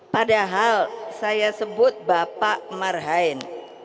padahal saya sebut bapak marhain